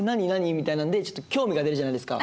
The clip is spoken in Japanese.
みたいなんでちょっと興味が出るじゃないですか。